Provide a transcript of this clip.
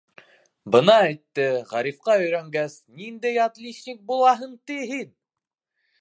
— Бына әйтте, Ғарифҡа өйрәнгәс, ниндәй отличник булаһың, ти, һин?